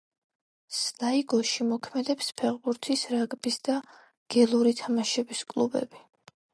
სლაიგოში მოქმედებს ფეხბურთის, რაგბის და გელური თამაშების კლუბები.